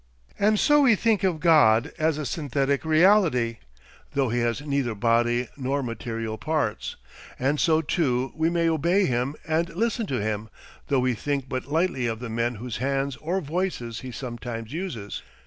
And so we think of God as a synthetic reality, though he has neither body nor material parts. And so too we may obey him and listen to him, though we think but lightly of the men whose hands or voices he sometimes uses.